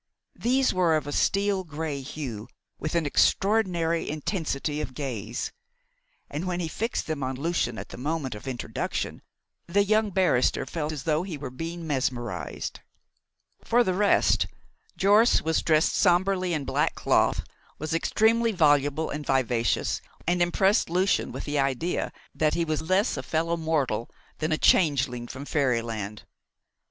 These were of a steel grey hue, with an extraordinary intensity of gaze; and when he fixed them on Lucian at the moment of introduction the young barrister felt as though he were being mesmerised. For the rest, Jorce was dressed sombrely in black cloth, was extremely voluble and vivacious, and impressed Lucian with the idea that he was less a fellow mortal than a changeling from fairyland.